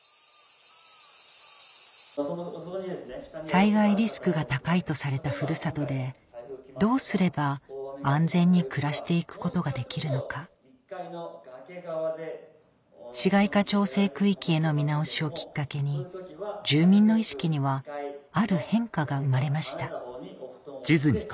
災害リスクが高いとされたふるさとでどうすれば安全に暮らして行くことができるのか市街化調整区域への見直しをきっかけに住民の意識にはある変化が生まれました